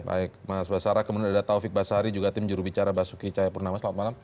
baik mas basara kemudian ada taufik basari juga tim jurubicara basuki cahayapurnama selamat malam